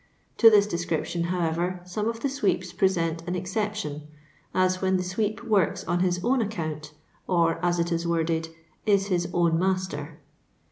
To this description, however, some of the sweeps present an exception ; as when the sweep works on his own account, or, as it is worded, is his own master."